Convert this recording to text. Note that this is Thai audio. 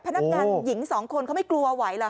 พนักงานหญิงสองคนเขาไม่กลัวไหวเหรอ